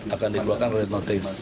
akan dikeluarkan red notice